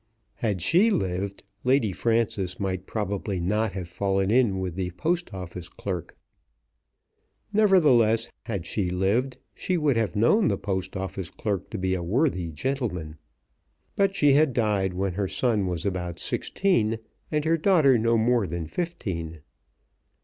Had she lived, Lady Frances might probably not have fallen in with the Post Office clerk; nevertheless, had she lived, she would have known the Post Office clerk to be a worthy gentleman. But she had died when her son was about sixteen and her daughter no more than fifteen.